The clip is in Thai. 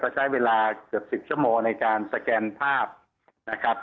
ใช้เวลาเกือบ๑๐ชั่วโมงในการสแกนภาพนะครับ